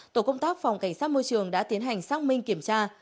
tổ công tác phòng cảnh sát môi trường đã tiến hành xác minh kiểm tra